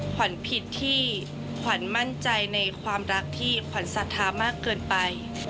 ขวัญผิดที่ขวัญมั่นใจในความรักที่ขวัญศรัทธามากเกินไป